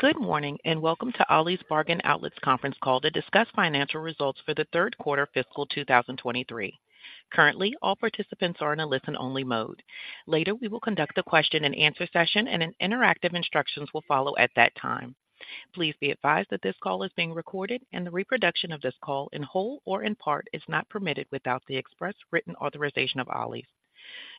Good morning, and welcome to Ollie's Bargain Outlet conference call to discuss financial results for the third quarter of fiscal 2023. Currently, all participants are in a listen-only mode. Later, we will conduct a question-and-answer session, and interactive instructions will follow at that time. Please be advised that this call is being recorded, and the reproduction of this call, in whole or in part, is not permitted without the express written authorization of Ollie's.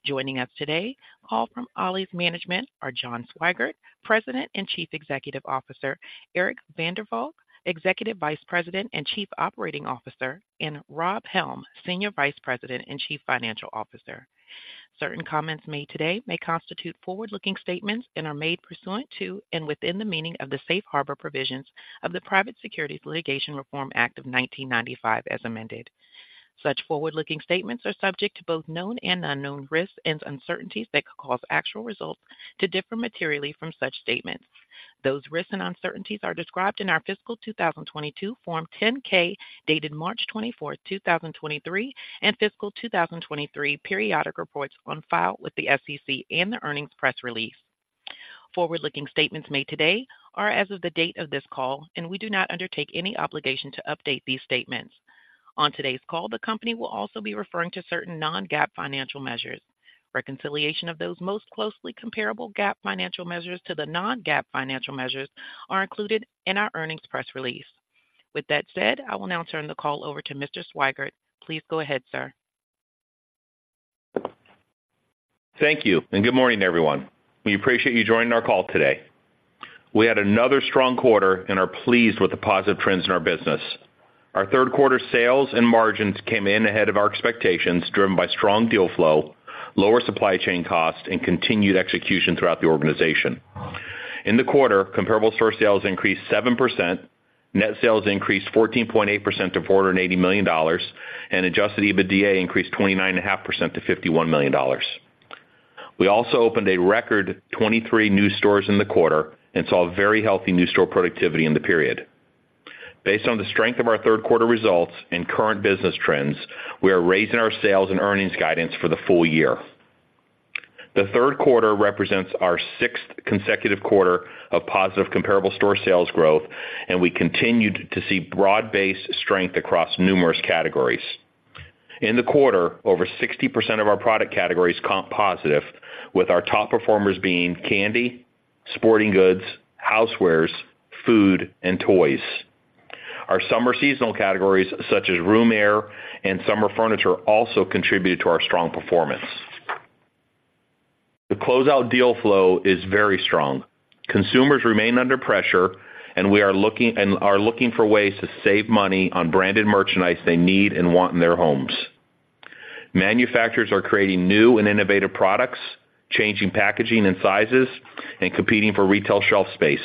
Joining us today from Ollie's management are John Swygert, President and Chief Executive Officer, Eric van der Valk, Executive Vice President and Chief Operating Officer, and Rob Helm, Senior Vice President and Chief Financial Officer. Certain comments made today may constitute forward-looking statements and are made pursuant to and within the meaning of the safe harbor provisions of the Private Securities Litigation Reform Act of 1995, as amended. Such forward-looking statements are subject to both known and unknown risks and uncertainties that could cause actual results to differ materially from such statements. Those risks and uncertainties are described in our fiscal 2022 Form 10-K, dated March 24, 2023, and fiscal 2023 periodic reports on file with the SEC and the earnings press release. Forward-looking statements made today are as of the date of this call, and we do not undertake any obligation to update these statements. On today's call, the company will also be referring to certain non-GAAP financial measures. Reconciliation of those most closely comparable GAAP financial measures to the non-GAAP financial measures are included in our earnings press release. With that said, I will now turn the call over to Mr. Swygert. Please go ahead, sir. Thank you, and good morning, everyone. We appreciate you joining our call today. We had another strong quarter and are pleased with the positive trends in our business. Our third quarter sales and margins came in ahead of our expectations, driven by strong deal flow, lower supply chain costs, and continued execution throughout the organization. In the quarter, comparable store sales increased 7%, net sales increased 14.8% to $480 million, and Adjusted EBITDA increased 29.5% to $51 million. We also opened a record 23 new stores in the quarter and saw very healthy new store productivity in the period. Based on the strength of our third quarter results and current business trends, we are raising our sales and earnings guidance for the full year. The third quarter represents our sixth consecutive quarter of positive comparable store sales growth, and we continued to see broad-based strength across numerous categories. In the quarter, over 60% of our product categories comp positive, with our top performers being candy, sporting goods, housewares, food, and toys. Our summer seasonal categories, such as room air and summer furniture, also contributed to our strong performance. The closeout deal flow is very strong. Consumers remain under pressure, and we are looking for ways to save money on branded merchandise they need and want in their homes. Manufacturers are creating new and innovative products, changing packaging and sizes, and competing for retail shelf space,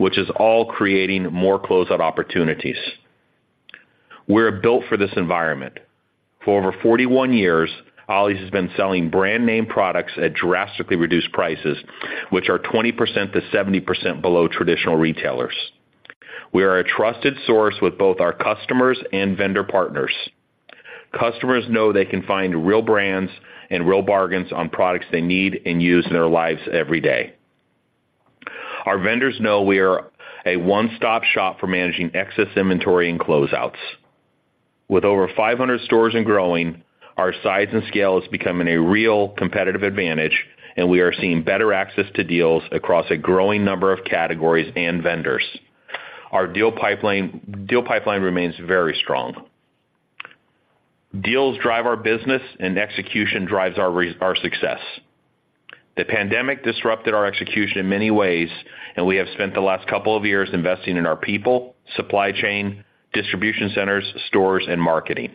which is all creating more closeout opportunities. We're built for this environment. For over 41 years, Ollie's has been selling brand name products at drastically reduced prices, which are 20%-70% below traditional retailers. We are a trusted source with both our customers and vendor partners. Customers know they can find real brands and real bargains on products they need and use in their lives every day. Our vendors know we are a one-stop shop for managing excess inventory and closeouts. With over 500 stores and growing, our size and scale is becoming a real competitive advantage, and we are seeing better access to deals across a growing number of categories and vendors. Our deal pipeline remains very strong. Deals drive our business and execution drives our success. The pandemic disrupted our execution in many ways, and we have spent the last couple of years investing in our people, supply chain, distribution centers, stores, and marketing.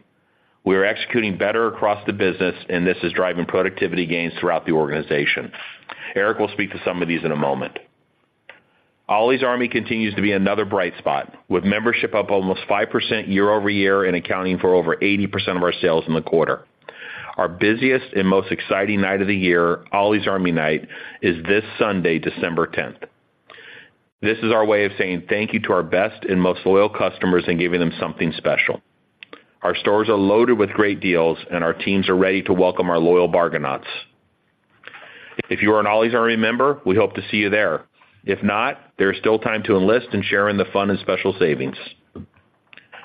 We are executing better across the business and this is driving productivity gains throughout the organization. Eric will speak to some of these in a moment. Ollie's Army continues to be another bright spot, with membership up almost 5% year-over-year and accounting for over 80% of our sales in the quarter. Our busiest and most exciting night of the year, Ollie's Army Night, is this Sunday, December 10th. This is our way of saying thank you to our best and most loyal customers and giving them something special. Our stores are loaded with great deals and our teams are ready to welcome our loyal Bargainauts. If you are an Ollie's Army member, we hope to see you there. If not, there is still time to enlist and share in the fun and special savings.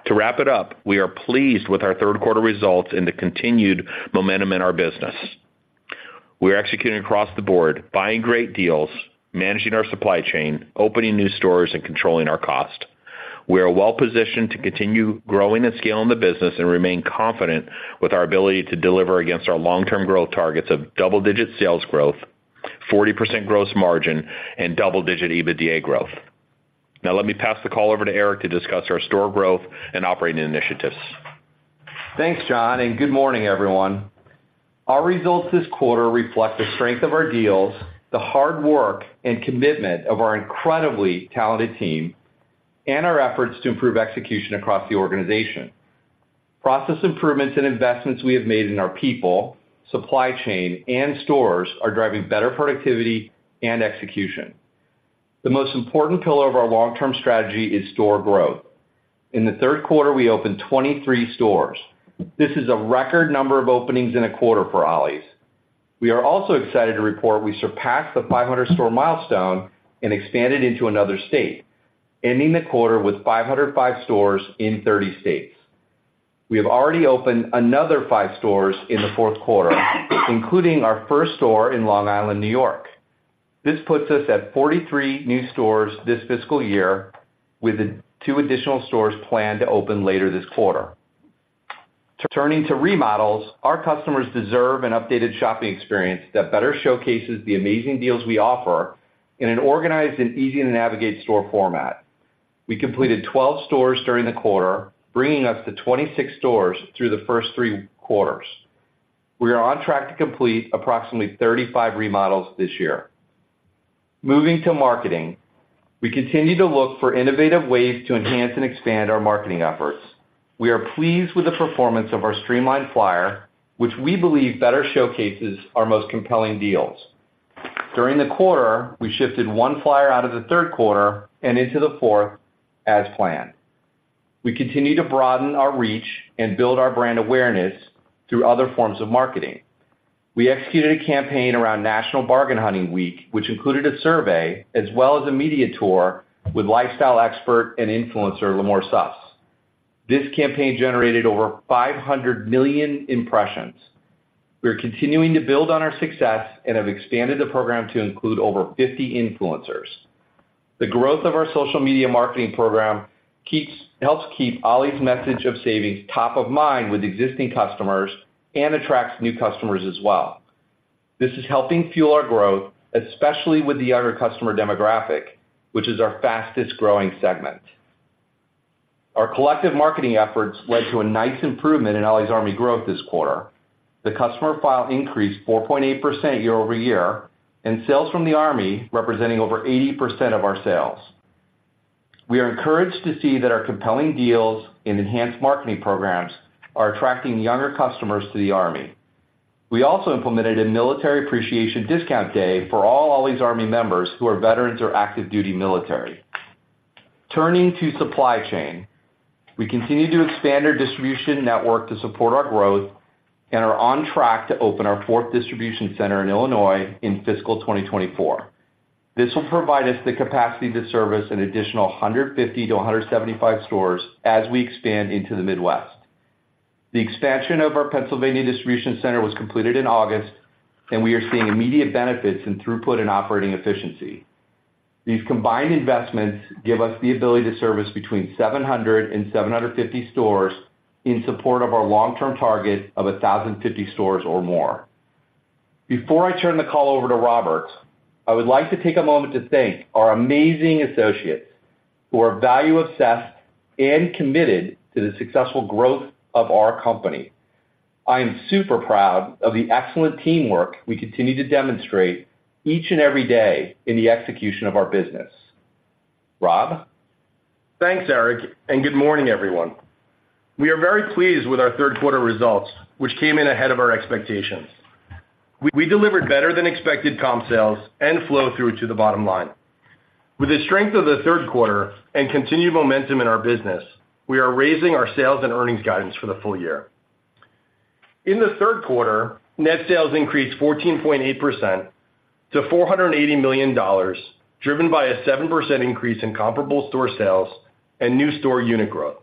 To wrap it up, we are pleased with our third quarter results and the continued momentum in our business. We are executing across the board, buying great deals, managing our supply chain, opening new stores, and controlling our cost. We are well positioned to continue growing and scaling the business and remain confident with our ability to deliver against our long-term growth targets of double-digit sales growth, 40% gross margin, and double-digit EBITDA growth. Now, let me pass the call over to Eric to discuss our store growth and operating initiatives. Thanks, John, and good morning, everyone. Our results this quarter reflect the strength of our deals, the hard work and commitment of our incredibly talented team, and our efforts to improve execution across the organization. Process improvements and investments we have made in our people, supply chain, and stores are driving better productivity and execution. The most important pillar of our long-term strategy is store growth. In the third quarter, we opened 23 stores. This is a record number of openings in a quarter for Ollie's.... We are also excited to report we surpassed the 500 store milestone and expanded into another state, ending the quarter with 505 stores in 30 states. We have already opened another five stores in the fourth quarter, including our first store in Long Island, New York. This puts us at 43 new stores this fiscal year, with the two additional stores planned to open later this quarter. Turning to remodels, our customers deserve an updated shopping experience that better showcases the amazing deals we offer in an organized and easy-to-navigate store format. We completed 12 stores during the quarter, bringing us to 26 stores through the first three quarters. We are on track to complete approximately 35 remodels this year. Moving to marketing, we continue to look for innovative ways to enhance and expand our marketing efforts. We are pleased with the performance of our streamlined flyer, which we believe better showcases our most compelling deals. During the quarter, we shifted one flyer out of the third quarter and into the fourth as planned. We continue to broaden our reach and build our brand awareness through other forms of marketing. We executed a campaign around National Bargain Hunting Week, which included a survey as well as a media tour with lifestyle expert and influencer, Limor Suss. This campaign generated over 500 million impressions. We are continuing to build on our success and have expanded the program to include over 50 influencers. The growth of our social media marketing program helps keep Ollie's message of savings top of mind with existing customers and attracts new customers as well. This is helping fuel our growth, especially with the younger customer demographic, which is our fastest-growing segment. Our collective marketing efforts led to a nice improvement in Ollie's Army growth this quarter. The customer file increased 4.8% year-over-year, and sales from the Army representing over 80% of our sales. We are encouraged to see that our compelling deals and enhanced marketing programs are attracting younger customers to the Army. We also implemented a military appreciation discount day for all Ollie's Army members who are veterans or active duty military. Turning to supply chain, we continue to expand our distribution network to support our growth and are on track to open our fourth distribution center in Illinois in fiscal 2024. This will provide us the capacity to service an additional 150-175 stores as we expand into the Midwest. The expansion of our Pennsylvania distribution center was completed in August, and we are seeing immediate benefits in throughput and operating efficiency. These combined investments give us the ability to service between 700 and 750 stores in support of our long-term target of 1,050 stores or more. Before I turn the call over to Robert, I would like to take a moment to thank our amazing associates, who are value obsessed and committed to the successful growth of our company. I am super proud of the excellent teamwork we continue to demonstrate each and every day in the execution of our business. Rob? Thanks, Eric, and good morning, everyone. We are very pleased with our third quarter results, which came in ahead of our expectations. We delivered better-than-expected comp sales and flow through to the bottom line. With the strength of the third quarter and continued momentum in our business, we are raising our sales and earnings guidance for the full year. In the third quarter, net sales increased 14.8% to $480 million, driven by a 7% increase in comparable store sales and new store unit growth.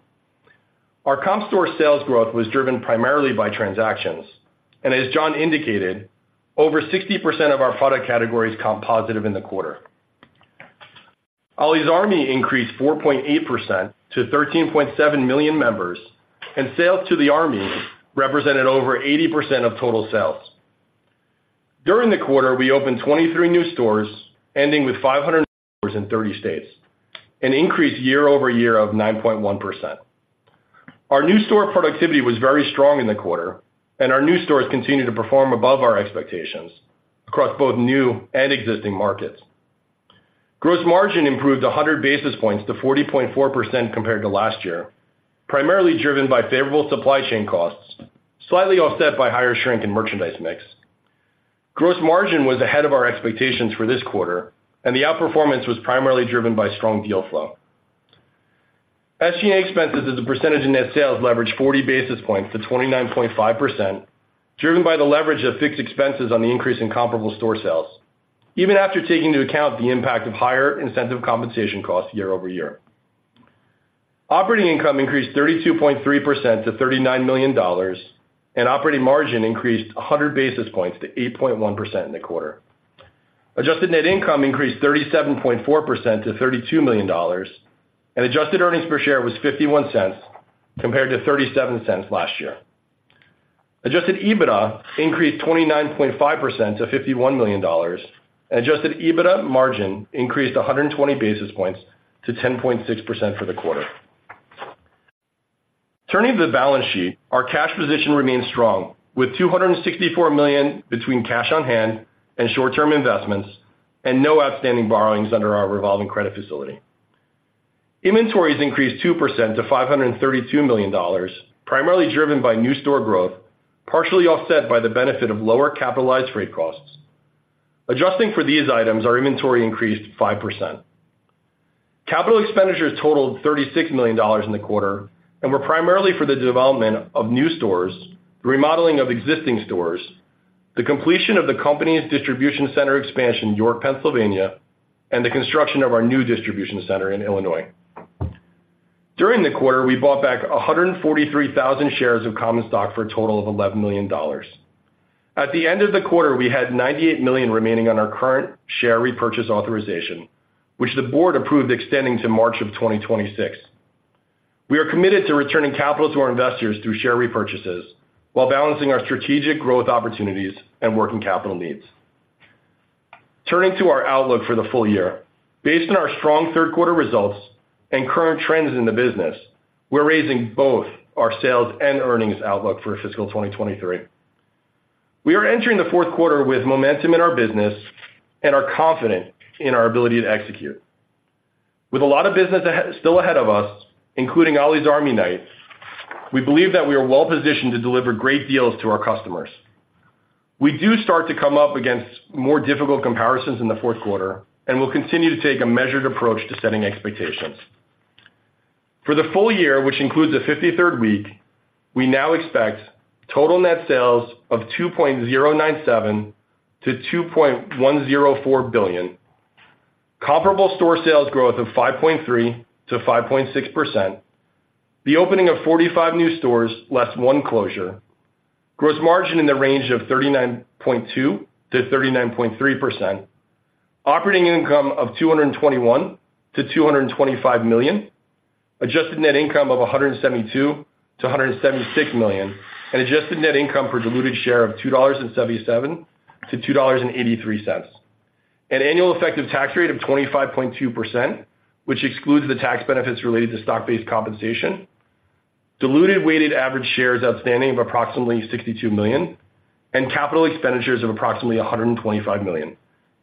Our comp store sales growth was driven primarily by transactions, and as John indicated, over 60% of our product categories comp positive in the quarter. Ollie's Army increased 4.8% to 13.7 million members, and sales to the Army represented over 80% of total sales. During the quarter, we opened 23 new stores, ending with 500 stores in 30 states, an increase year-over-year of 9.1%. Our new store productivity was very strong in the quarter, and our new stores continued to perform above our expectations across both new and existing markets. Gross margin improved 100 basis points to 40.4% compared to last year, primarily driven by favorable supply chain costs, slightly offset by higher shrink in merchandise mix. Gross margin was ahead of our expectations for this quarter, and the outperformance was primarily driven by strong deal flow. SG&A expenses as a percentage of net sales leveraged 40 basis points to 29.5%, driven by the leverage of fixed expenses on the increase in comparable store sales, even after taking into account the impact of higher incentive compensation costs year-over-year. Operating income increased 32.3% to $39 million, and operating margin increased 100 basis points to 8.1% in the quarter. Adjusted net income increased 37.4% to $32 million, and adjusted earnings per share was $0.51 compared to $0.37 last year. Adjusted EBITDA increased 29.5% to $51 million, and adjusted EBITDA margin increased 120 basis points to 10.6% for the quarter. Turning to the balance sheet, our cash position remains strong, with $264 million between cash on hand and short-term investments, and no outstanding borrowings under our revolving credit facility. Inventories increased 2% to $532 million, primarily driven by new store growth, partially offset by the benefit of lower capitalized freight costs. Adjusting for these items, our inventory increased 5%. Capital expenditures totaled $36 million in the quarter and were primarily for the development of new stores, the remodeling of existing stores, the completion of the company's distribution center expansion in York, Pennsylvania, and the construction of our new distribution center in Illinois. During the quarter, we bought back 143,000 shares of common stock for a total of $11 million. At the end of the quarter, we had $98 million remaining on our current share repurchase authorization, which the board approved extending to March 2026. We are committed to returning capital to our investors through share repurchases while balancing our strategic growth opportunities and working capital needs. Turning to our outlook for the full year. Based on our strong third quarter results and current trends in the business, we're raising both our sales and earnings outlook for fiscal 2023. We are entering the fourth quarter with momentum in our business and are confident in our ability to execute. With a lot of business still ahead of us, including Ollie's Army Nights, we believe that we are well positioned to deliver great deals to our customers. We do start to come up against more difficult comparisons in the fourth quarter, and we'll continue to take a measured approach to setting expectations. For the full year, which includes a 53rd week, we now expect total net sales of $2.097 billion-$2.104 billion, comparable store sales growth of 5.3%-5.6%, the opening of 45 new stores, less one closure, gross margin in the range of 39.2%-39.3%, operating income of $221 million-$225 million, adjusted net income of $172 million-$176 million, and adjusted net income per diluted share of $2.77-$2.83. An annual effective tax rate of 25.2%, which excludes the tax benefits related to stock-based compensation, diluted weighted average shares outstanding of approximately 62 million, and capital expenditures of approximately $125 million,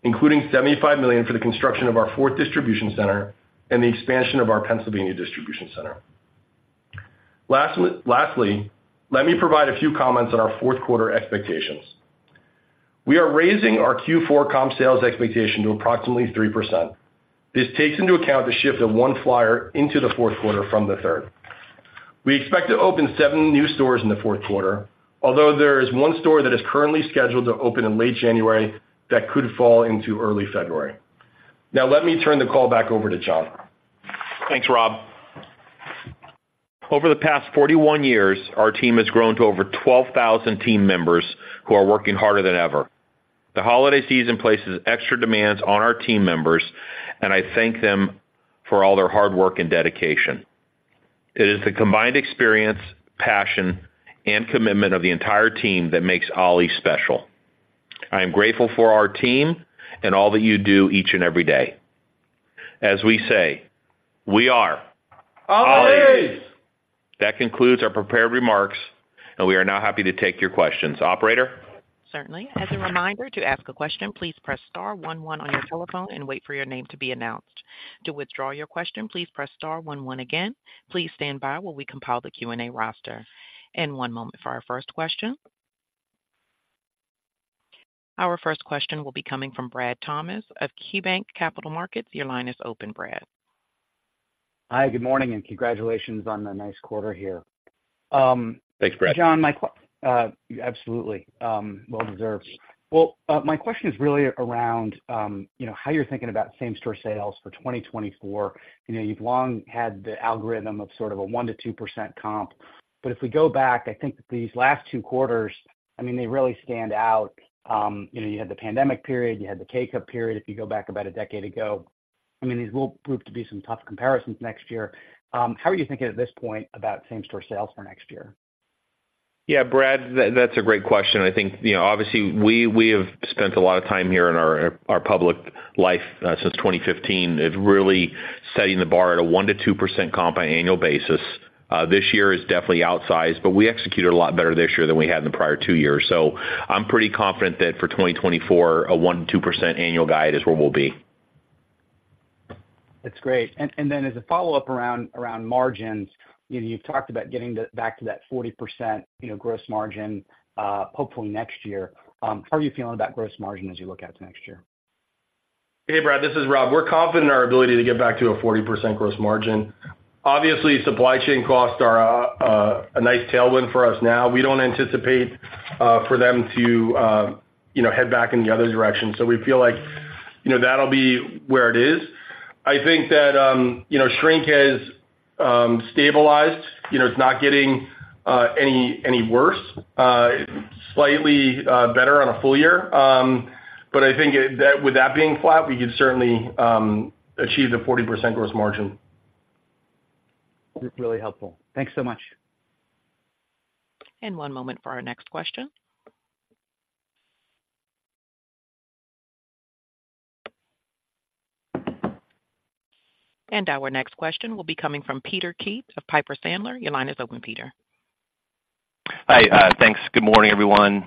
including $75 million for the construction of our fourth distribution center and the expansion of our Pennsylvania distribution center. Lastly, let me provide a few comments on our fourth quarter expectations. We are raising our Q4 comp sales expectation to approximately 3%. This takes into account the shift of one flyer into the fourth quarter from the third. We expect to open seven new stores in the fourth quarter, although there is one store that is currently scheduled to open in late January that could fall into early February. Now, let me turn the call back over to John. Thanks, Rob. Over the past 41 years, our team has grown to over 12,000 team members who are working harder than ever. The holiday season places extra demands on our team members, and I thank them for all their hard work and dedication. It is the combined experience, passion, and commitment of the entire team that makes Ollie's special. I am grateful for our team and all that you do each and every day. As we say, we are Ollie's! That concludes our prepared remarks, and we are now happy to take your questions. Operator? Certainly. As a reminder, to ask a question, please press star one one on your telephone and wait for your name to be announced. To withdraw your question, please press star one one again. Please stand by while we compile the Q&A roster. One moment for our first question. Our first question will be coming from Brad Thomas of KeyBanc Capital Markets. Your line is open, Brad. Hi, good morning, and congratulations on the nice quarter here. Thanks, Brad. John, absolutely, well deserved. Well, my question is really around, you know, how you're thinking about same-store sales for 2024. You know, you've long had the algorithm of sort of a 1%-2% comp, but if we go back, I think that these last two quarters, I mean, they really stand out. You know, you had the pandemic period, you had the takeup period, if you go back about a decade ago. I mean, these will prove to be some tough comparisons next year. How are you thinking at this point about same-store sales for next year? Yeah, Brad, that's a great question. I think, you know, obviously, we, we have spent a lot of time here in our, our public life, since 2015, at really setting the bar at a 1%-2% comp on an annual basis. This year is definitely outsized, but we executed a lot better this year than we had in the prior two years. So I'm pretty confident that for 2024, a 1%-2% annual guide is where we'll be. That's great. And, and then as a follow-up around, around margins, you know, you've talked about getting the back to that 40%, you know, gross margin, hopefully next year. How are you feeling about gross margin as you look out to next year? Hey, Brad, this is Rob. We're confident in our ability to get back to a 40% gross margin. Obviously, supply chain costs are a nice tailwind for us now. We don't anticipate for them to, you know, head back in the other direction. So we feel like, you know, that'll be where it is. I think that, you know, shrink has stabilized. You know, it's not getting any worse, slightly better on a full year. But I think that with that being flat, we could certainly achieve the 40% gross margin. Really helpful. Thanks so much. One moment for our next question. Our next question will be coming from Peter Keith of Piper Sandler. Your line is open, Peter. Hi. Thanks. Good morning, everyone.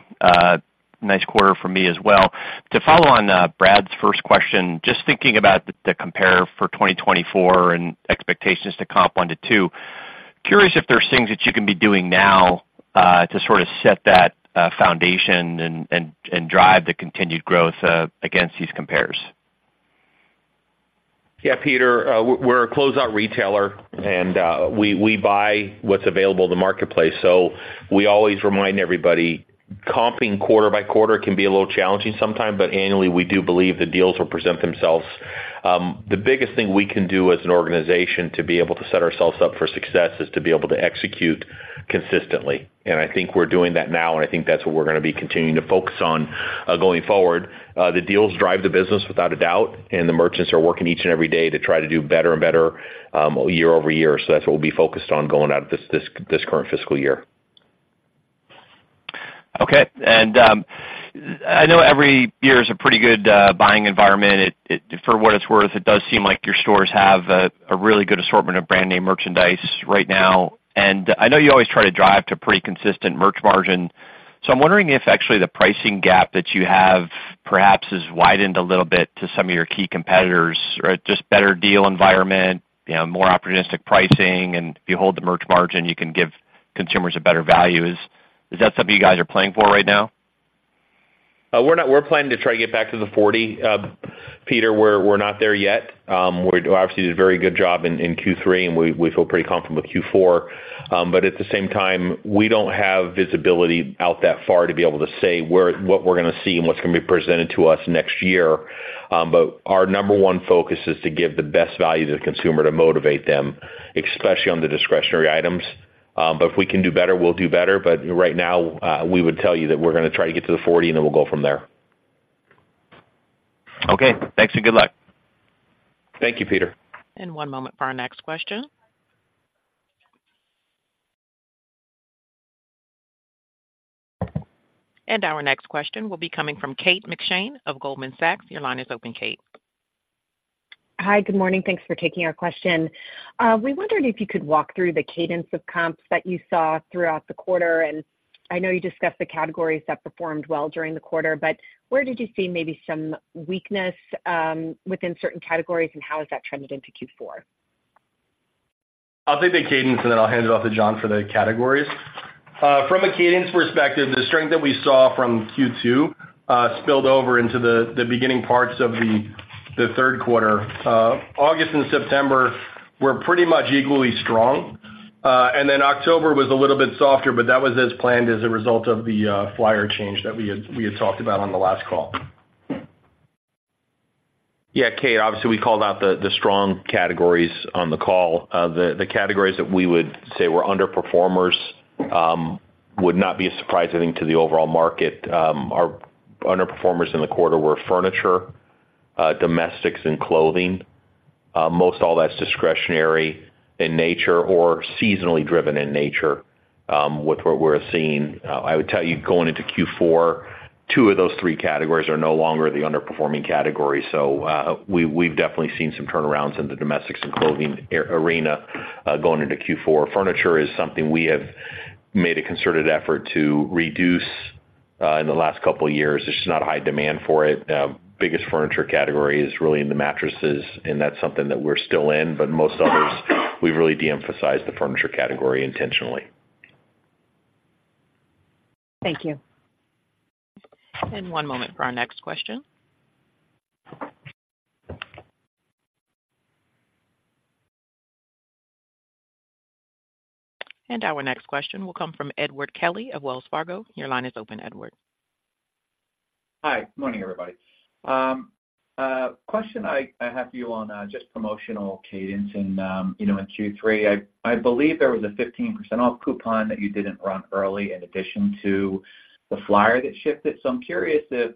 Nice quarter from me as well. To follow on, Brad's first question, just thinking about the compare for 2024 and expectations to comp one to two... Curious if there's things that you can be doing now, to sort of set that foundation and, and, and drive the continued growth, against these compares? Yeah, Peter, we're a closeout retailer, and we buy what's available in the marketplace. So we always remind everybody, comping quarter by quarter can be a little challenging sometimes, but annually, we do believe the deals will present themselves. The biggest thing we can do as an organization to be able to set ourselves up for success is to be able to execute consistently. And I think we're doing that now, and I think that's what we're gonna be continuing to focus on going forward. The deals drive the business without a doubt, and the merchants are working each and every day to try to do better and better year-over-year. So that's what we'll be focused on going out of this current fiscal year. Okay. And, I know every year is a pretty good buying environment. It-- for what it's worth, it does seem like your stores have a really good assortment of brand name merchandise right now. And I know you always try to drive to pretty consistent merch margin. So I'm wondering if actually the pricing gap that you have perhaps has widened a little bit to some of your key competitors, or just better deal environment, you know, more opportunistic pricing, and if you hold the merch margin, you can give consumers a better value. Is that something you guys are playing for right now? We're planning to try to get back to the 40, Peter. We're not there yet. We obviously did a very good job in Q3, and we feel pretty confident with Q4. But at the same time, we don't have visibility out that far to be able to say where what we're gonna see and what's gonna be presented to us next year. But our number one focus is to give the best value to the consumer to motivate them, especially on the discretionary items. But if we can do better, we'll do better. But right now, we would tell you that we're gonna try to get to the 40, and then we'll go from there. Okay, thanks and good luck. Thank you, Peter. One moment for our next question. Our next question will be coming from Kate McShane of Goldman Sachs. Your line is open, Kate. Hi, good morning. Thanks for taking our question. We wondered if you could walk through the cadence of comps that you saw throughout the quarter, and I know you discussed the categories that performed well during the quarter, but where did you see maybe some weakness within certain categories, and how has that trended into Q4? I'll take the cadence, and then I'll hand it off to John for the categories. From a cadence perspective, the strength that we saw from Q2 spilled over into the beginning parts of the third quarter. August and September were pretty much equally strong, and then October was a little bit softer, but that was as planned as a result of the flyer change that we had talked about on the last call. Yeah, Kate, obviously, we called out the strong categories on the call. The categories that we would say were underperformers would not be a surprise, I think, to the overall market. Our underperformers in the quarter were furniture, domestics and clothing. Most all that's discretionary in nature or seasonally driven in nature, with what we're seeing. I would tell you, going into Q4, two of those three categories are no longer the underperforming category. So, we've definitely seen some turnarounds in the domestics and clothing arena, going into Q4. Furniture is something we have made a concerted effort to reduce in the last couple of years. There's just not high demand for it. Biggest furniture category is really in the mattresses, and that's something that we're still in, but most others, we've really de-emphasized the furniture category intentionally. Thank you. One moment for our next question. Our next question will come from Edward Kelly of Wells Fargo. Your line is open, Edward. Hi, good morning, everybody. Question I have for you on just promotional cadence and, you know, in Q3, I believe there was a 15% off coupon that you didn't run early in addition to the flyer that shifted. So I'm curious if,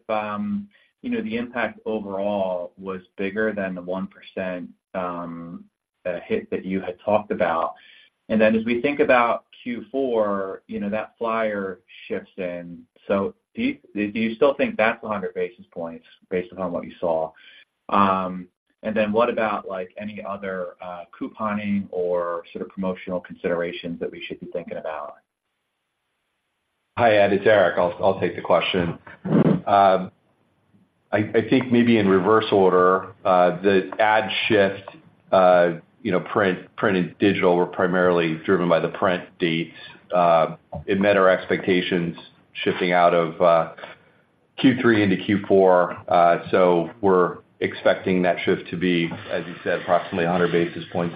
you know, the impact overall was bigger than the 1% hit that you had talked about. And then as we think about Q4, you know, that flyer shifts in. So do you still think that's 100 basis points based upon what you saw? And then what about, like, any other couponing or sort of promotional considerations that we should be thinking about? Hi, Ed, it's Eric. I'll take the question. I think maybe in reverse order, the ad shift, you know, print, printed digital were primarily driven by the print dates. It met our expectations shifting out of Q3 into Q4, so we're expecting that shift to be, as you said, approximately 100 basis points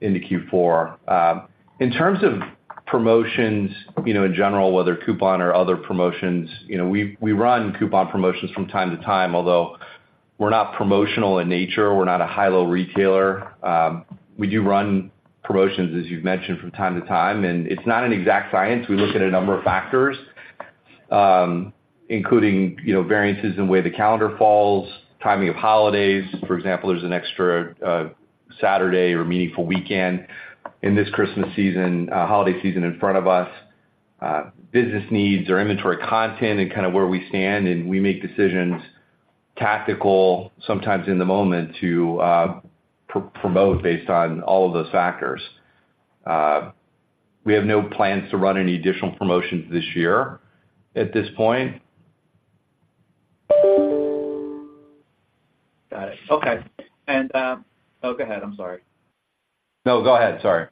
into Q4. In terms of promotions, you know, in general, whether coupon or other promotions, you know, we run coupon promotions from time to time, although we're not promotional in nature. We're not a high-low retailer. We do run promotions, as you've mentioned, from time to time, and it's not an exact science. We look at a number of factors, including, you know, variances in where the calendar falls, timing of holidays. For example, there's an extra Saturday or meaningful weekend in this Christmas season, holiday season in front of us. Business needs or inventory content and kind of where we stand, and we make decisions, tactical, sometimes in the moment to promote based on all of those factors. We have no plans to run any additional promotions this year at this point.... Okay. And, oh, go ahead, I'm sorry. No, go ahead, sorry.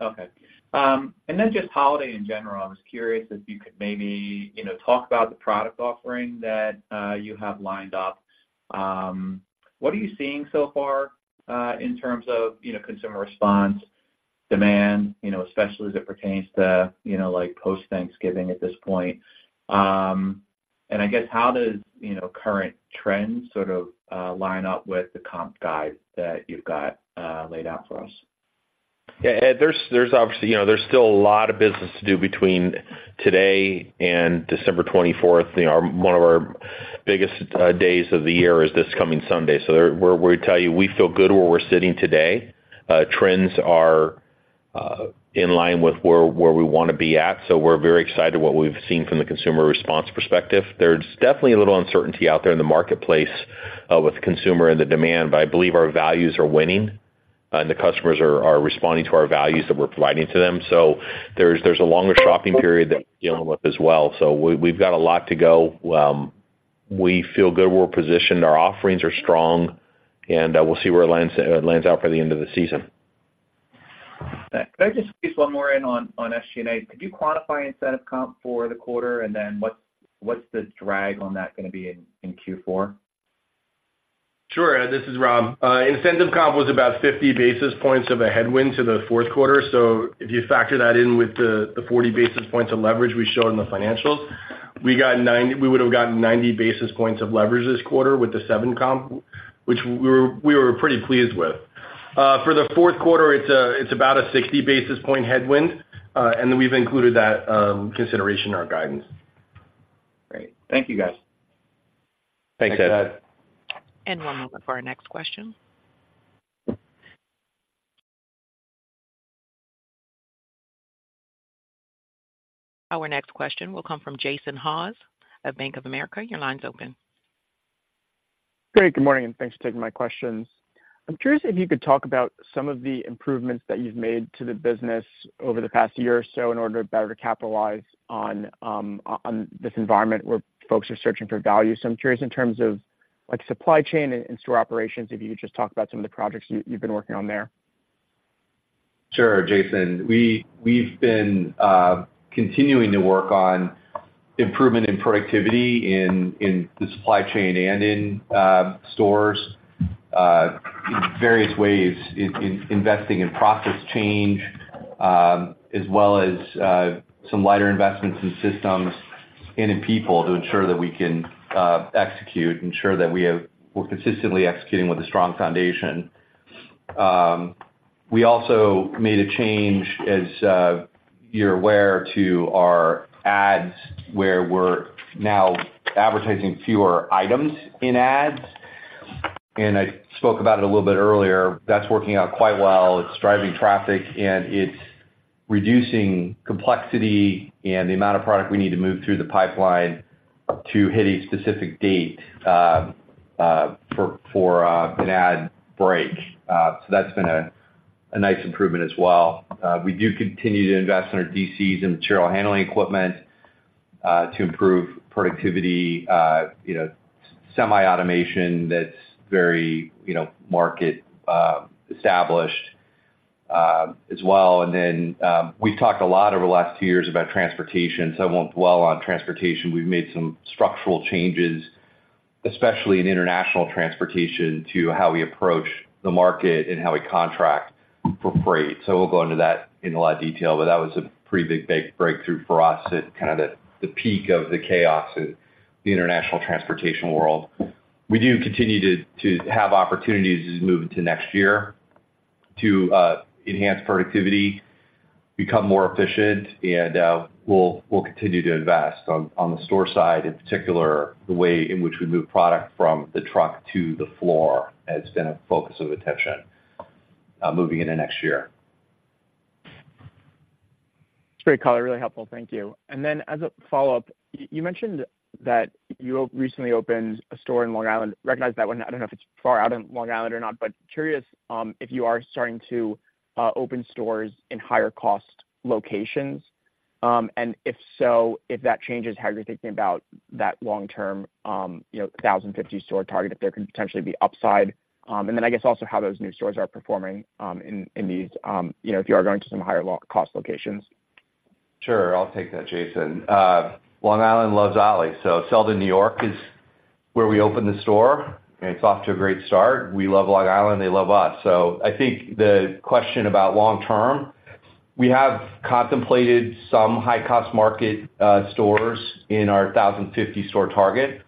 Okay. And then just holiday in general, I was curious if you could maybe, you know, talk about the product offering that you have lined up. What are you seeing so far in terms of, you know, consumer response, demand, you know, especially as it pertains to, you know, like, post-Thanksgiving at this point? And I guess, how does, you know, current trends sort of line up with the comp guide that you've got laid out for us? Yeah, Ed, there's obviously, you know, there's still a lot of business to do between today and December 24th. You know, one of our biggest days of the year is this coming Sunday. So, we're, we tell you, we feel good where we're sitting today. Trends are in line with where we wanna be at, so we're very excited what we've seen from the consumer response perspective. There's definitely a little uncertainty out there in the marketplace with consumer and the demand, but I believe our values are winning, and the customers are responding to our values that we're providing to them. So there's a longer shopping period that we're dealing with as well. So we've got a lot to go. We feel good, we're positioned, our offerings are strong, and we'll see where it lands, it lands out for the end of the season. Can I just squeeze one more in on SG&A? Could you quantify incentive comp for the quarter, and then what's the drag on that gonna be in Q4? Sure, Ed, this is Rob. Incentive comp was about 50 basis points of a headwind to the fourth quarter. So if you factor that in with the 40 basis points of leverage we showed in the financials, we would have gotten 90 basis points of leverage this quarter with the seven comp, which we were pretty pleased with. For the fourth quarter, it's about a 60 basis point headwind, and then we've included that consideration in our guidance. Great. Thank you, guys. Thanks, Ed. One moment for our next question. Our next question will come from Jason Haas of Bank of America. Your line's open. Great, good morning, and thanks for taking my questions. I'm curious if you could talk about some of the improvements that you've made to the business over the past year or so in order to better capitalize on this environment, where folks are searching for value. So I'm curious in terms of, like, supply chain and store operations, if you could just talk about some of the projects you've been working on there. Sure, Jason. We've been continuing to work on improvement in productivity in the supply chain and in stores in various ways, in investing in process change, as well as some lighter investments in systems and in people to ensure that we can execute, ensure that we're consistently executing with a strong foundation. We also made a change, as you're aware, to our ads, where we're now advertising fewer items in ads. And I spoke about it a little bit earlier. That's working out quite well. It's driving traffic, and it's reducing complexity and the amount of product we need to move through the pipeline to hit a specific date for an ad break. So that's been a nice improvement as well. We do continue to invest in our DCs and material handling equipment to improve productivity, you know, semi-automation that's very, you know, market established, as well. And then, we've talked a lot over the last two years about transportation, so I won't dwell on transportation. We've made some structural changes, especially in international transportation, to how we approach the market and how we contract for freight. So we'll go into that in a lot of detail, but that was a pretty big breakthrough for us at kind of the peak of the chaos in the international transportation world. We do continue to have opportunities as we move into next year to enhance productivity, become more efficient, and we'll continue to invest on the store side, in particular, the way in which we move product from the truck to the floor has been a focus of attention moving into next year. Great color, really helpful. Thank you. And then as a follow-up, you mentioned that you recently opened a store in Long Island. Recognize that one. I don't know if it's far out in Long Island or not, but curious if you are starting to open stores in higher-cost locations? And if so, if that changes how you're thinking about that long-term, you know, 1,050 store target, if there could potentially be upside. And then I guess also how those new stores are performing in these, you know, if you are going to some higher-cost locations. Sure. I'll take that, Jason. Long Island loves Ollie. So Selden, New York, is where we opened the store, and it's off to a great start. We love Long Island, they love us. So I think the question about long term, we have contemplated some high-cost market stores in our 1,050-store target,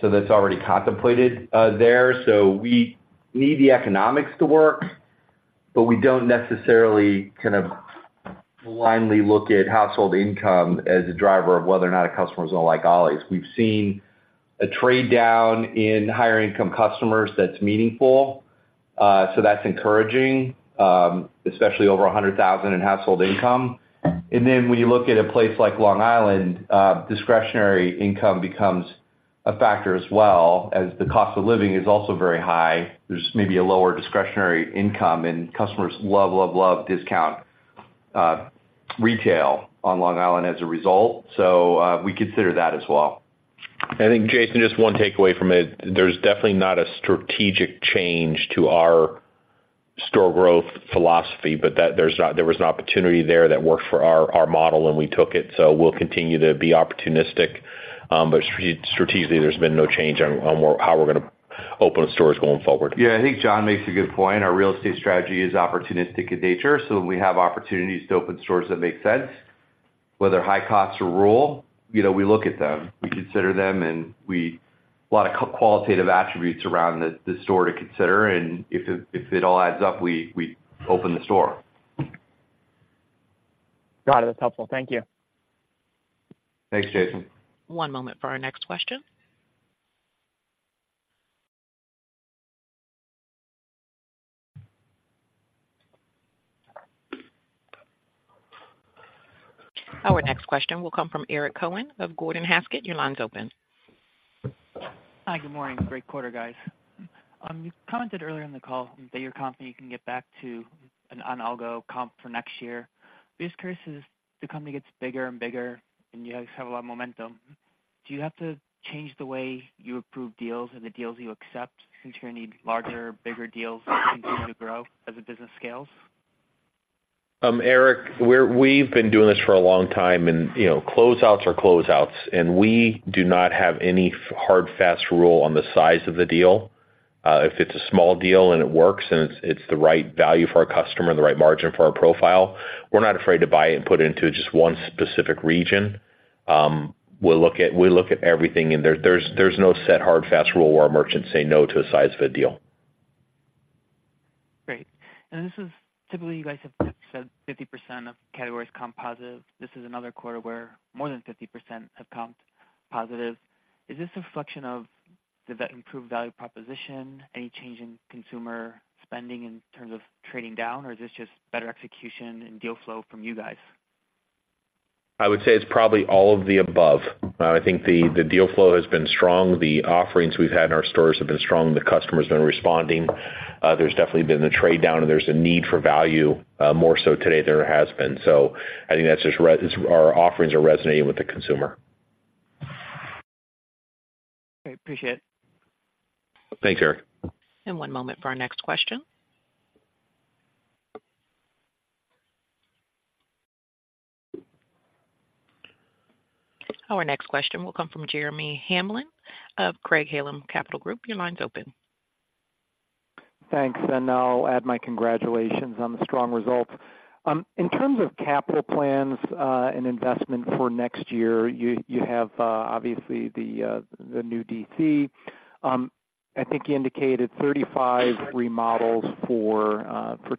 so that's already contemplated there. So we need the economics to work, but we don't necessarily kind of blindly look at household income as a driver of whether or not a customer is gonna like Ollie's. We've seen a trade-down in higher-income customers that's meaningful, so that's encouraging, especially over 100,000 in household income. And then when you look at a place like Long Island, discretionary income becomes a factor as well, as the cost of living is also very high. There's maybe a lower discretionary income, and customers love, love, love discount retail on Long Island as a result, so we consider that as well. I think, Jason, just one takeaway from it, there's definitely not a strategic change to our store growth philosophy, but that's not. There was an opportunity there that worked for our model, and we took it. So we'll continue to be opportunistic, but strategically, there's been no change on where, how we're gonna open stores going forward. Yeah, I think John makes a good point. Our real estate strategy is opportunistic in nature, so when we have opportunities to open stores that make sense. Whether high costs or rural, you know, we look at them, we consider them, and we consider a lot of qualitative attributes around the store to consider, and if it all adds up, we open the store. Got it. That's helpful. Thank you. Thanks, Jason. One moment for our next question. Our next question will come from Eric Cohen of Gordon Haskett. Your line's open. Hi, good morning. Great quarter, guys. You commented earlier in the call that your company can get back to an algo comp for next year. I'm just curious, as the company gets bigger and bigger, and you guys have a lot of momentum, do you have to change the way you approve deals or the deals you accept since you're gonna need larger, bigger deals to continue to grow as the business scales? Eric, we've been doing this for a long time, and, you know, closeouts are closeouts, and we do not have any hard, fast rule on the size of the deal. If it's a small deal and it works, and it's, it's the right value for our customer and the right margin for our profile, we're not afraid to buy it and put it into just one specific region. We look at everything, and there's no set, hard, fast rule where our merchants say no to a size of a deal. Great. Typically, you guys have said 50% of categories comp positive. This is another quarter where more than 50% have comped positive. Is this a reflection of the better improved value proposition, any change in consumer spending in terms of trading down, or is this just better execution and deal flow from you guys? I would say it's probably all of the above. I think the deal flow has been strong. The offerings we've had in our stores have been strong. The customer's been responding. There's definitely been the trade-down, and there's a need for value, more so today than there has been. So I think that's just, it's our offerings are resonating with the consumer. Great. Appreciate it. Thanks, Eric. One moment for our next question. Our next question will come from Jeremy Hamblin of Craig-Hallum Capital Group. Your line's open. Thanks, and I'll add my congratulations on the strong results. In terms of capital plans and investment for next year, you have obviously the new DC. I think you indicated 35 remodels for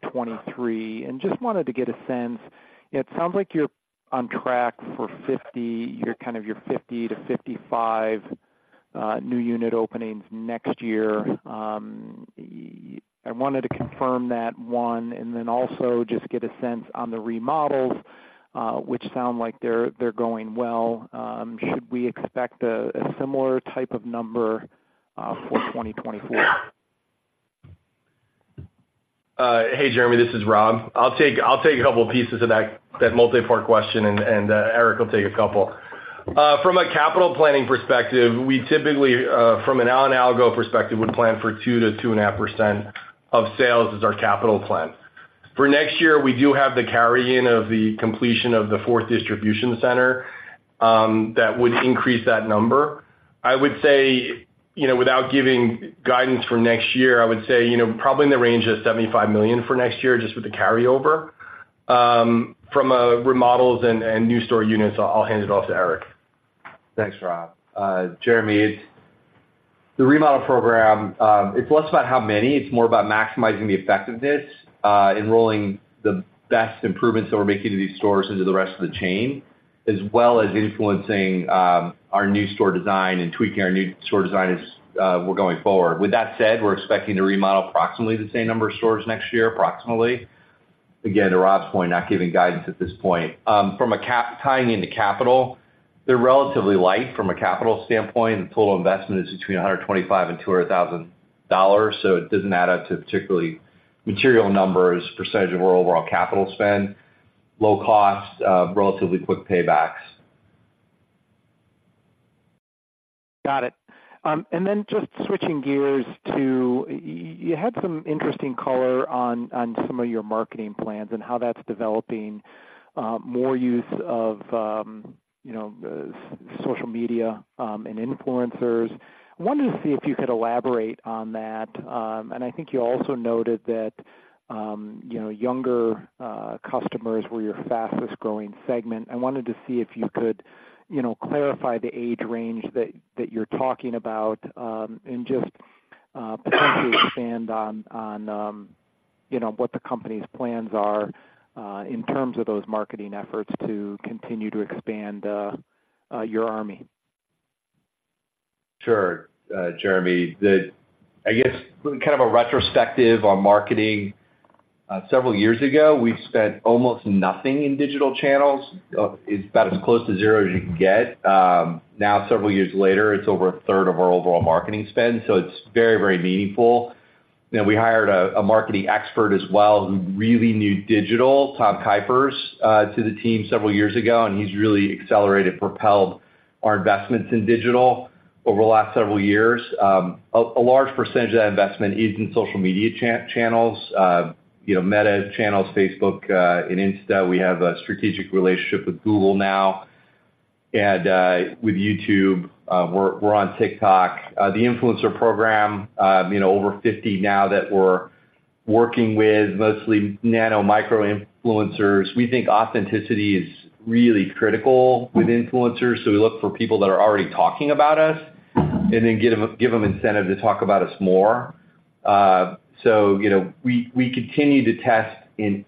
2023, and just wanted to get a sense. It sounds like you're on track for 50, your kind of your 50-55 new unit openings next year. I wanted to confirm that, one, and then also just get a sense on the remodels, which sound like they're going well. Should we expect a similar type of number for 2024? Hey, Jeremy, this is Rob. I'll take, I'll take a couple pieces of that, that multi-part question, and, and, Eric will take a couple. From a capital planning perspective, we typically, from an algo perspective, would plan for 2%-2.5% of sales as our capital plan. For next year, we do have the carry-in of the completion of the fourth distribution center, that would increase that number. I would say, you know, without giving guidance for next year, I would say, you know, probably in the range of $75 million for next year, just with the carryover. From, remodels and, and new store units, I'll hand it off to Eric. Thanks, Rob. Jeremy, the remodel program, it's less about how many, it's more about maximizing the effectiveness, enrolling the best improvements that we're making to these stores into the rest of the chain, as well as influencing, our new store design and tweaking our new store design as, we're going forward. With that said, we're expecting to remodel approximately the same number of stores next year, approximately. Again, to Rob's point, not giving guidance at this point. From a CapEx tying into capital, they're relatively light from a capital standpoint. The total investment is between $125,000 and $200,000, so it doesn't add up to particularly material numbers, percentage of our overall capital spend. Low cost, relatively quick paybacks. Got it. And then just switching gears to... You had some interesting color on some of your marketing plans and how that's developing, more use of, you know, social media, and influencers. I wanted to see if you could elaborate on that. And I think you also noted that, you know, younger customers were your fastest-growing segment. I wanted to see if you could, you know, clarify the age range that you're talking about, and just potentially expand on, you know, what the company's plans are, in terms of those marketing efforts to continue to expand your army. Sure, Jeremy. I guess, kind of a retrospective on marketing. Several years ago, we spent almost nothing in digital channels. It's about as close to zero as you can get. Now, several years later, it's over a third of our overall marketing spend, so it's very, very meaningful. Then we hired a marketing expert as well, who really knew digital, Tom Kuypers to the team several years ago, and he's really accelerated, propelled our investments in digital over the last several years. A large percentage of that investment is in social media channels, you know, Meta channels, Facebook and Insta. We have a strategic relationship with Google now and with YouTube. We're on TikTok. The influencer program, you know, over 50 now that we're working with, mostly nano, micro influencers. We think authenticity is really critical with influencers, so we look for people that are already talking about us and then give them, give them incentive to talk about us more. So, you know, we continue to test in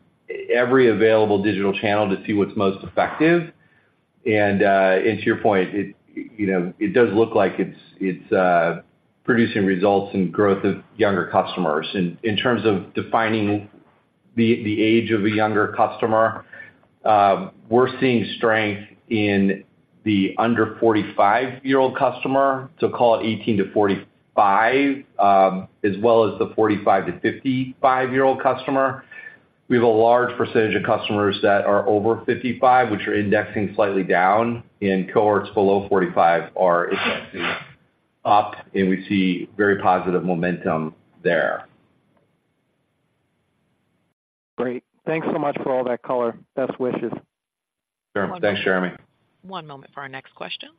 every available digital channel to see what's most effective. To your point, it, you know, it does look like it's producing results and growth of younger customers. In terms of defining the age of a younger customer, we're seeing strength in the under 45-year-old customer, so call it 18-45, as well as the 45-55-year-old customer. We have a large percentage of customers that are over 55, which are indexing slightly down, and cohorts below 45 are indexing up, and we see very positive momentum there. Great. Thanks so much for all that color. Best wishes. Sure. Thanks, Jeremy. One moment for our next question.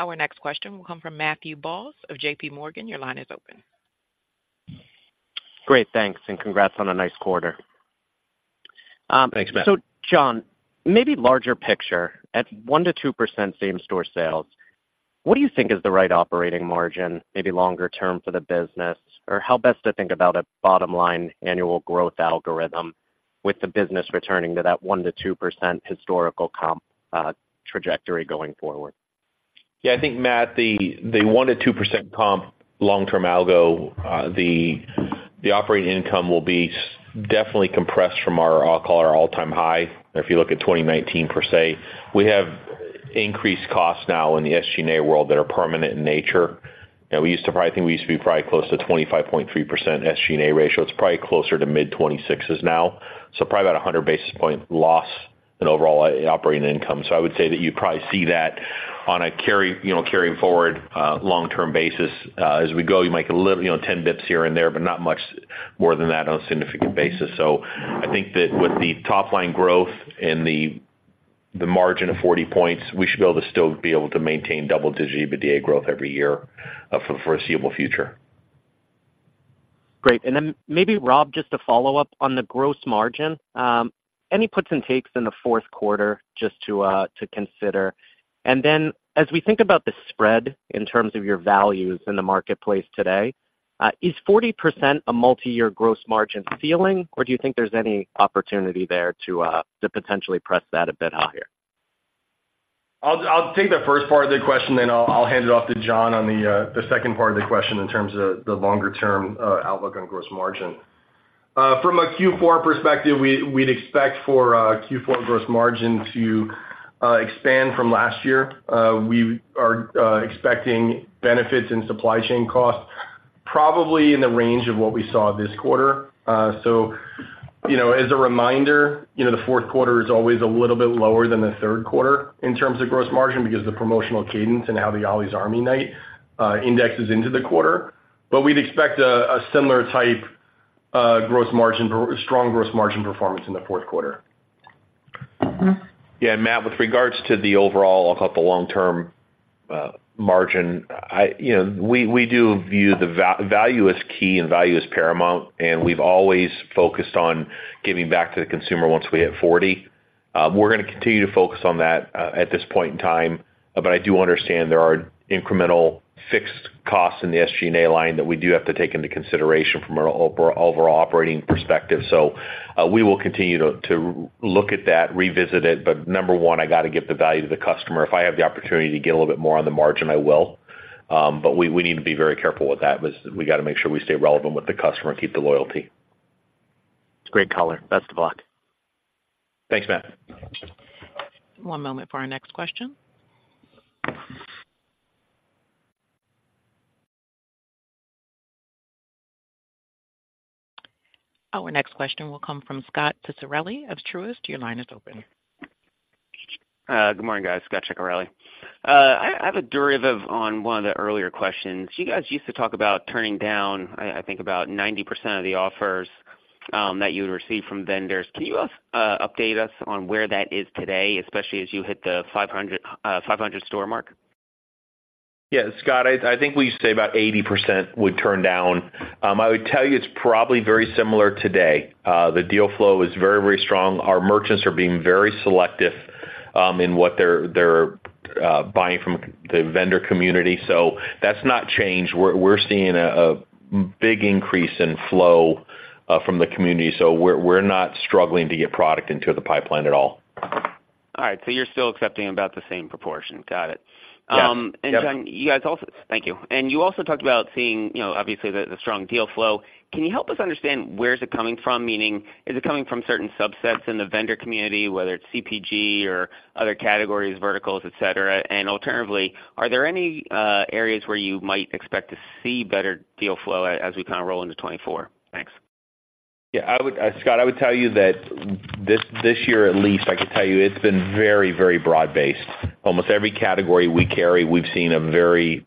Our next question will come from Matthew Boss of JPMorgan. Your line is open. Great, thanks, and congrats on a nice quarter. Thanks, Matt. So John, maybe larger picture, at 1%-2% same store sales, what do you think is the right operating margin, maybe longer term for the business? Or how best to think about a bottom line annual growth algorithm with the business returning to that 1%-2% historical comp trajectory going forward? Yeah, I think, Matt, the one to two percent comp long-term algo, the operating income will be definitely compressed from our, I'll call it our all-time high. If you look at 2019 per se, we have increased costs now in the SG&A world that are permanent in nature. And we used to probably think we used to be probably close to 25.3% SG&A ratio. It's probably closer to mid-26s now, so probably about 100 basis points loss in overall operating income. So I would say that you'd probably see that on a carry, you know, carrying forward, long-term basis. As we go, you might get a little, you know, 10 basis points here and there, but not much more than that on a significant basis. I think that with the top line growth and the margin of 40 points, we should be able to still be able to maintain double-digit EBITDA growth every year, for the foreseeable future. Great. And then maybe, Rob, just to follow up on the gross margin, any puts and takes in the fourth quarter just to consider? And then as we think about the spread in terms of your values in the marketplace today, is 40% a multi-year gross margin ceiling, or do you think there's any opportunity there to potentially press that a bit higher? I'll take the first part of the question, then I'll hand it off to John on the second part of the question in terms of the longer-term outlook on gross margin. From a Q4 perspective, we'd expect for Q4 gross margin to expand from last year. We are expecting benefits in supply chain costs, probably in the range of what we saw this quarter. So, you know, as a reminder, you know, the fourth quarter is always a little bit lower than the third quarter in terms of gross margin because the promotional cadence and how the Ollie's Army Night indexes into the quarter. But we'd expect a similar type, strong gross margin performance in the fourth quarter. Yeah, Matt, with regards to the overall, I'll call it the long term, margin, I... You know, we do view the value as key and value as paramount, and we've always focused on giving back to the consumer once we hit 40. We're gonna continue to focus on that at this point in time. But I do understand there are incremental fixed costs in the SG&A line that we do have to take into consideration from an overall operating perspective. So, we will continue to look at that, revisit it. But number one, I got to give the value to the customer. If I have the opportunity to get a little bit more on the margin, I will. But we need to be very careful with that. We got to make sure we stay relevant with the customer and keep the loyalty. It's great color. Best of luck. Thanks, Matt. One moment for our next question. Our next question will come from Scot Ciccarelli of Truist. Your line is open. Good morning, guys. Scot Ciccarelli. I have a derivative on one of the earlier questions. You guys used to talk about turning down, I think about 90% of the offers that you would receive from vendors. Can you update us on where that is today, especially as you hit the 500 store mark? Yeah, Scot, I think we used to say about 80% would turn down. I would tell you it's probably very similar today. The deal flow is very, very strong. Our merchants are being very selective in what they're buying from the vendor community. So that's not changed. We're seeing a big increase in flow from the community, so we're not struggling to get product into the pipeline at all.... All right, so you're still accepting about the same proportion. Got it. Yeah. And John, you guys also thank you. And you also talked about seeing, you know, obviously, the strong deal flow. Can you help us understand where's it coming from? Meaning, is it coming from certain subsets in the vendor community, whether it's CPG or other categories, verticals, et cetera? And alternatively, are there any areas where you might expect to see better deal flow as we kind of roll into 2024? Thanks. Yeah, I would, Scot, I would tell you that this, this year, at least, I could tell you it's been very, very broad-based. Almost every category we carry, we've seen a very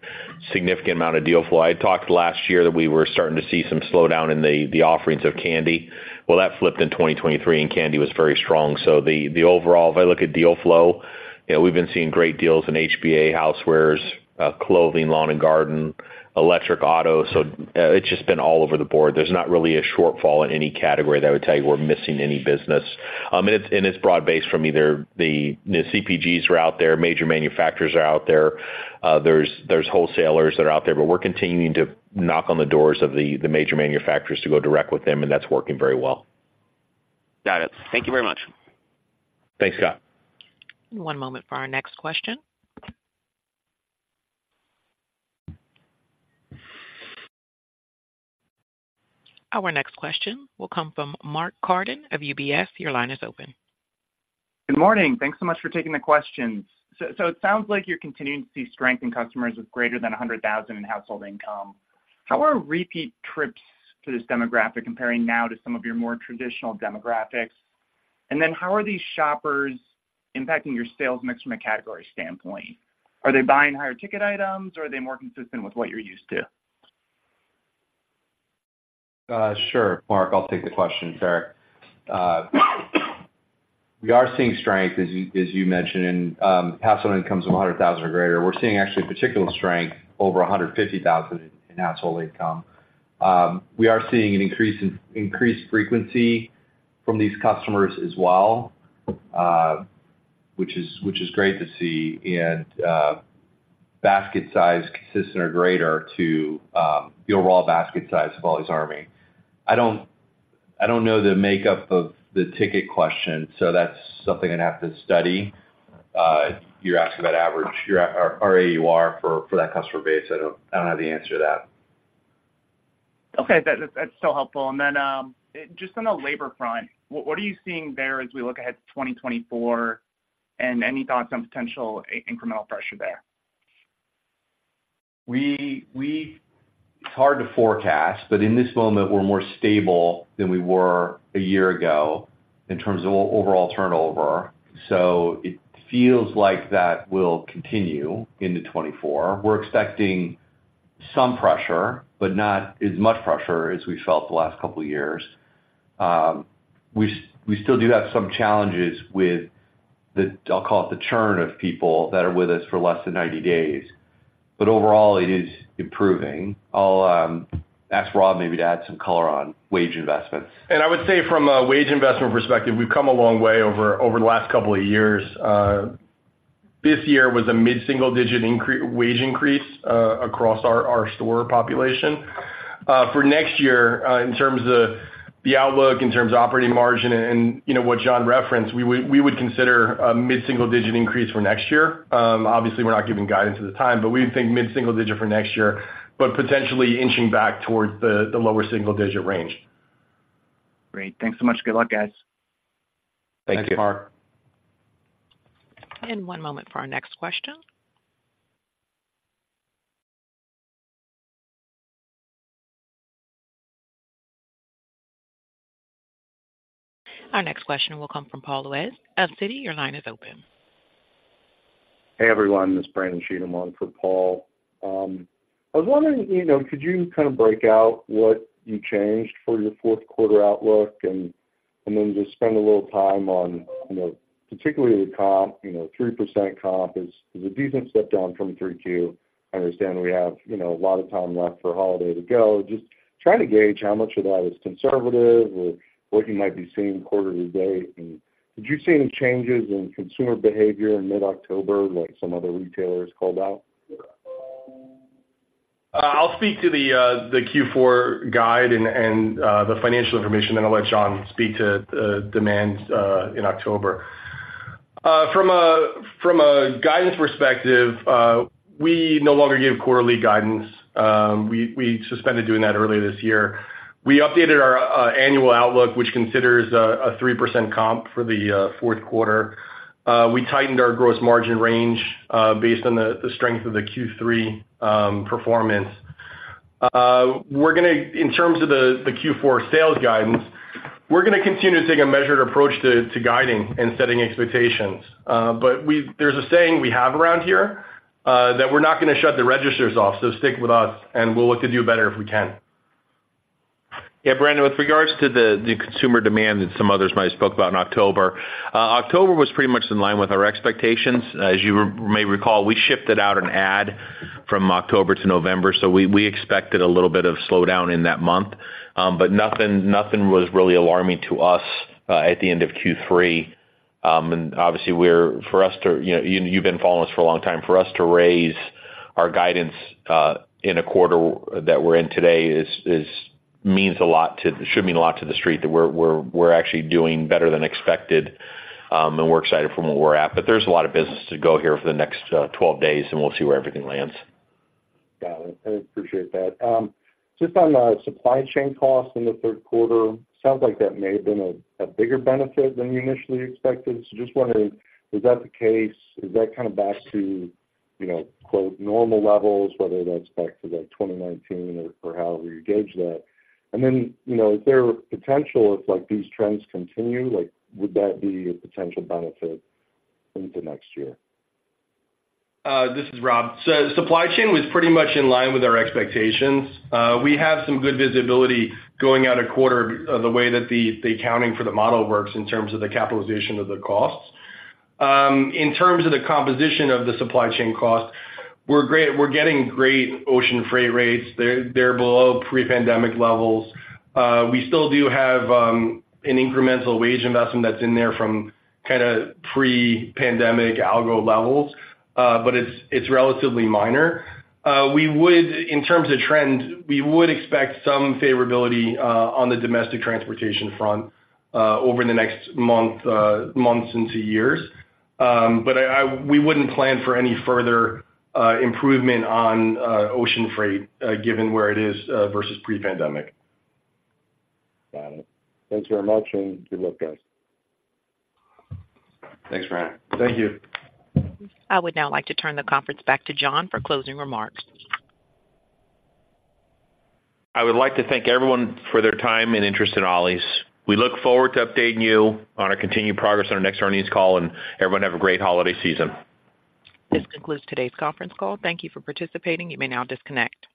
significant amount of deal flow. I talked last year that we were starting to see some slowdown in the, the offerings of candy. Well, that flipped in 2023, and candy was very strong. So the, the overall, if I look at deal flow, you know, we've been seeing great deals in HBA, housewares, clothing, lawn and garden, electric, auto. So, it's just been all over the board. There's not really a shortfall in any category that I would tell you we're missing any business. And it's broad-based from either the CPGs are out there, major manufacturers are out there. There's wholesalers that are out there, but we're continuing to knock on the doors of the major manufacturers to go direct with them, and that's working very well. Got it. Thank you very much. Thanks, Scot. One moment for our next question. Our next question will come from Mark Carden of UBS. Your line is open. Good morning. Thanks so much for taking the questions. So, so it sounds like you're continuing to see strength in customers with greater than 100,000 in household income. How are repeat trips to this demographic comparing now to some of your more traditional demographics? And then how are these shoppers impacting your sales mix from a category standpoint? Are they buying higher ticket items, or are they more consistent with what you're used to? Sure, Mark, I'll take the question. Sure. We are seeing strength, as you mentioned, in household incomes of 100,000 or greater. We're seeing actually particular strength over 150,000 in household income. We are seeing an increase in increased frequency from these customers as well, which is great to see, and basket size consistent or greater to the overall basket size of Ollie's Army. I don't know the makeup of the ticket question, so that's something I'd have to study. You're asking about average or AUR for that customer base. I don't have the answer to that. Okay, that's still helpful. And then, just on the labor front, what are you seeing there as we look ahead to 2024, and any thoughts on potential incremental pressure there? It's hard to forecast, but in this moment, we're more stable than we were a year ago in terms of overall turnover, so it feels like that will continue into 2024. We're expecting some pressure, but not as much pressure as we felt the last couple of years. We still do have some challenges with the, I'll call it, the churn of people that are with us for less than 90 days, but overall it is improving. I'll ask Rob maybe to add some color on wage investments. I would say from a wage investment perspective, we've come a long way over the last couple of years. This year was a mid-single-digit wage increase across our store population. For next year, in terms of the outlook, in terms of operating margin and, you know, what John referenced, we would consider a mid-single digit increase for next year. Obviously, we're not giving guidance at the time, but we think mid-single digit for next year, but potentially inching back towards the lower single-digit range. Great. Thanks so much. Good luck, guys. Thank you. Thanks, Mark. One moment for our next question. Our next question will come from Paul Lejuez of Citi. Your line is open. Hey, everyone, this is Brandon Cheatham on for Paul. I was wondering, you know, could you kind of break out what you changed for your fourth quarter outlook? And then just spend a little time on, you know, particularly the comp, you know, 3% comp is a decent step down from 3Q. I understand we have, you know, a lot of time left for holiday to go. Just try to gauge how much of that is conservative or what you might be seeing quarter to date. And did you see any changes in consumer behavior in mid-October, like some other retailers called out? I'll speak to the Q4 guide and the financial information, then I'll let John speak to demand in October. From a guidance perspective, we no longer give quarterly guidance. We suspended doing that earlier this year. We updated our annual outlook, which considers a 3% comp for the fourth quarter. We tightened our gross margin range based on the strength of the Q3 performance. We're gonna, in terms of the Q4 sales guidance, we're gonna continue to take a measured approach to guiding and setting expectations. But there's a saying we have around here that we're not gonna shut the registers off, so stick with us, and we'll look to do better if we can. Yeah, Brandon, with regards to the consumer demand that some others might have spoke about in October, October was pretty much in line with our expectations. As you may recall, we shifted out an ad from October to November, so we expected a little bit of slowdown in that month. But nothing was really alarming to us at the end of Q3. And obviously, for us to, you know, you've been following us for a long time. For us to raise-... our guidance in a quarter that we're in today is means a lot to, should mean a lot to the street, that we're actually doing better than expected, and we're excited from where we're at. But there's a lot of business to go here for the next 12 days, and we'll see where everything lands. Got it. I appreciate that. Just on the supply chain costs in the third quarter, sounds like that may have been a bigger benefit than you initially expected. So just wondering, is that the case? Is that kind of back to, you know, quote, normal levels, whether that's back to the 2019 or, or however you gauge that? And then, you know, is there potential if, like, these trends continue, like, would that be a potential benefit into next year? This is Rob. So supply chain was pretty much in line with our expectations. We have some good visibility going out a quarter, the way that the accounting for the model works in terms of the capitalization of the costs. In terms of the composition of the supply chain costs, we're getting great ocean freight rates. They're below pre-pandemic levels. We still do have an incremental wage investment that's in there from kind of pre-pandemic wage levels, but it's relatively minor. In terms of trend, we would expect some favorability on the domestic transportation front over the next month, months into years. But we wouldn't plan for any further improvement on ocean freight given where it is versus pre-pandemic. Got it. Thanks very much, and good luck, guys. Thanks, Brandon. Thank you. I would now like to turn the conference back to John for closing remarks. I would like to thank everyone for their time and interest in Ollie's. We look forward to updating you on our continued progress on our next earnings call, and everyone have a great holiday season. This concludes today's conference call. Thank you for participating. You may now disconnect.